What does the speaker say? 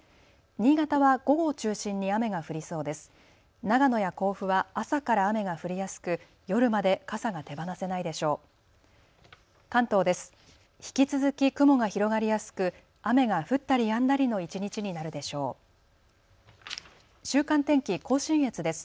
新潟は午後を中心に雨が降りそうです。